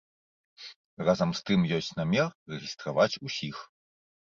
Разам з тым ёсць намер рэгістраваць усіх.